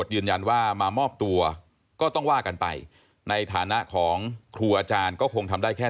ยืนยันว่ามามอบตัวก็ต้องว่ากันไปในฐานะของครูอาจารย์ก็คงทำได้แค่